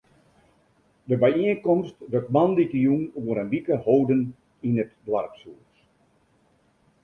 De byienkomst wurdt moandeitejûn oer in wike holden yn it doarpshûs.